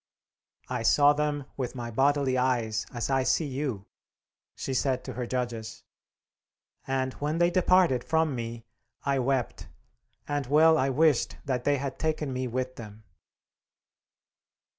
"I saw them with my bodily eyes, as I see you," she said to her judges," and when they departed from me I wept, and well I wished that they had taken me with them."